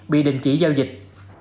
bị đình chỉ giao dịch